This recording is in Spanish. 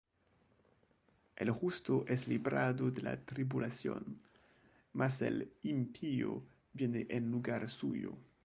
El justo es librado de la tribulación: Mas el impío viene en lugar suyo.